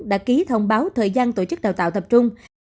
đã ký thông báo thời gian tổ chức đào tạo tập trung